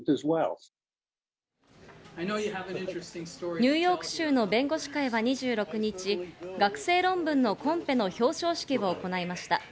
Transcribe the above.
ニューヨーク州の弁護士会は２６日、学生論文のコンペの表彰式を行いました。